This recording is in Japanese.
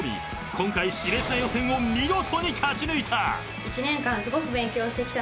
今回熾烈な予選を見事に勝ち抜いた］